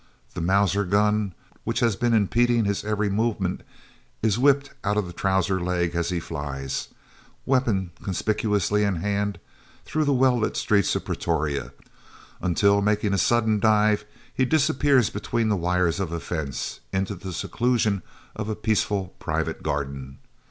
The Mauser gun, which has been impeding his every movement, is whipped out of the trouser leg as he flies, weapon conspicuously in hand, through the well lit streets of Pretoria, until, making a sudden dive, he disappears between the wires of a fence, into the seclusion of a peaceful private garden.